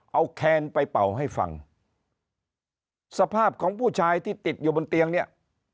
เอาแคนไปเป่าให้ฟังสภาพของผู้ชายที่ติดอยู่บนเตียงเนี่ย